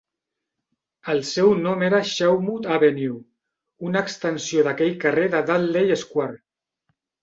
El seu nom era Shawmut Avenue, una extensió d'aquell carrer de Dudley Square.